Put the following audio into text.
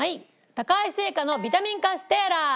高橋製菓のビタミンカステーラ。